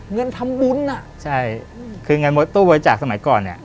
เงินทำบุญน่ะใช่คือเงินตู้บริจาคสมัยก่อนเนี่ย